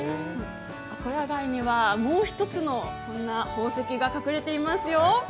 アコヤガイにはもう一つの、こんな宝石が隠れていますよ。